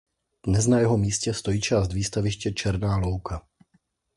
Dnes na jeho místě stojí část výstaviště "Černá louka".